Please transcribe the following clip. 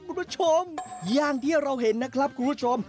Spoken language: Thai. คุณผู้ชมอย่างที่เราเห็นนะครับคุณผู้ชม